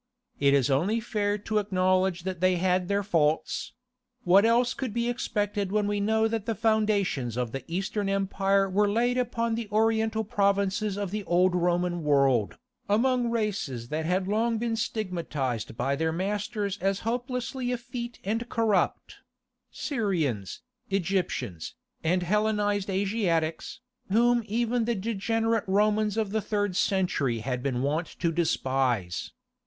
It is only fair to acknowledge that they had their faults: what else could be expected when we know that the foundations of the Eastern Empire were laid upon the Oriental provinces of the old Roman world, among races that had long been stigmatized by their masters as hopelessly effete and corrupt—Syrians, Egyptians, and Hellenized Asiatics, whom even the degenerate Romans of the third century had been wont to despise.